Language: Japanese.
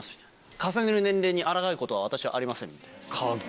重ねる年齢にあらがうことは私はありません。